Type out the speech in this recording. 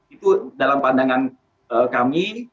itu dalam pandangan kami